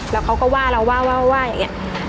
แล้วเขาก็ว่าเราว่าอย่างนี้